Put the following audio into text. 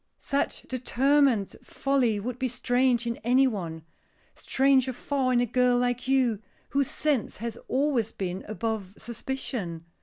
"Such determined folly would be strange in any one; stranger far in a girl like you, whose sense has always been above suspicion."